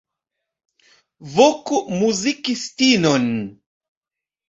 Voku muzikistinon.